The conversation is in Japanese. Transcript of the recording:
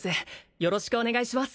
よろしくお願いします